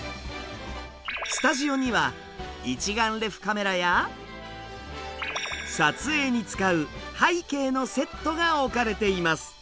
スタジオには一眼レフカメラや撮影に使う背景のセットが置かれています。